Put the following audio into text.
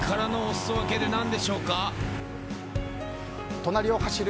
隣を走る